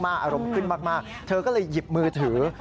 อารมณ์ขึ้นมากเธอก็เลยหยิบมือถือ